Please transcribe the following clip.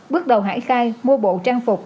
bước đầu hải khai mua bộ trang phục